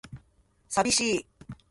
寂しい